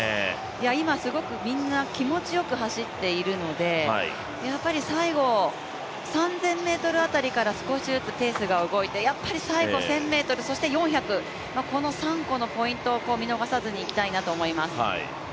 今すごくみんな気持ちよく走っているので、やっぱり最後、３０００ｍ辺りから少しずつペースが動いて、最後、１０００ｍ、そして４００、この３個のポイントを見逃さずにいきたいなと思います。